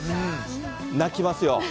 泣きますよ。